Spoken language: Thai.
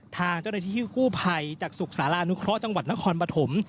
ทางเจ้าหน้าที่กู้ภัยจากสุขศาลานุเคราะห์จังหวัดนครปฐม